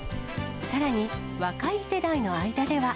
さらに、若い世代の間では。